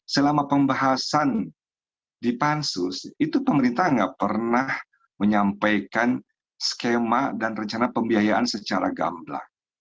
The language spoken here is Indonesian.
selama pembahasan di pansus itu pemerintah nggak pernah menyampaikan skema dan rencana pembiayaan secara gamblang